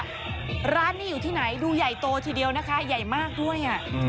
คำถามนี่แหละว่าร้านนี้อยู่ที่ไหนดูใหญ่โตทีเดียวนะคะใหญ่มากด้วย